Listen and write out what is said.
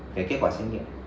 cái kết quả xét nghiệm